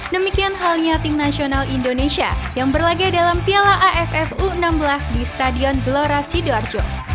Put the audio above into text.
demikian halnya tim nasional indonesia yang berlagak dalam piala aff u enam belas di stadion gelora sidoarjo